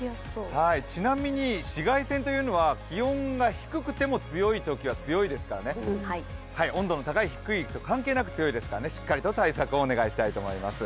ちなみに紫外線というのは気温が低くても強いときは強いですから温度の高い低いに関係なく強いですからしっかりと対策をお願いしたいと思います。